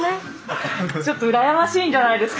ちょっと羨ましいんじゃないですか？